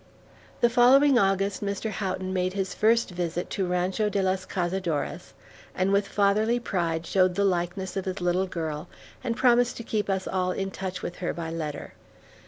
The following August, Mr. Houghton made his first visit to Rancho de los Cazadores, and with fatherly pride, showed the likeness of his little girl, and promised to keep us all in touch with her by letter.